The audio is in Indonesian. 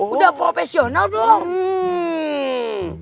udah profesional doang